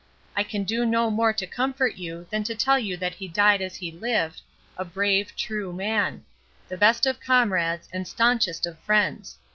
I can do no more to comfort you than to tell you that he died as he lived, a brave, true man the best of comrades and staunchest of friends.